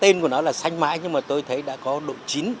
mặc dù tên của nó là sanh mãi nhưng tôi thấy đã có độ chín